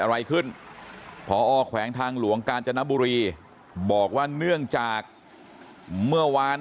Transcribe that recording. อะไรขึ้นพอแขวงทางหลวงกาญจนบุรีบอกว่าเนื่องจากเมื่อวาน